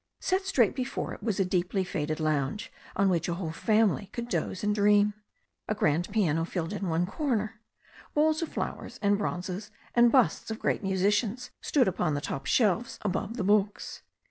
Set straight before it was a deep faded lounge, on which a whole family could doze and dream. A grand piano filled in one corner. Bowls of flowers, and bronzes, and busts of great musicians stood upon the top shelves above the books.